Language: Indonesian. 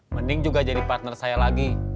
mending juga jadi partner saya lagi